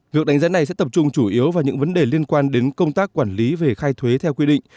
việc đánh giá này sẽ tập trung chủ yếu vào những vấn đề liên quan đến công tác quản lý về khai thuế theo quy định